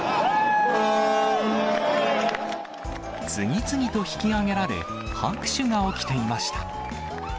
次々と引き上げられ、拍手が起きていました。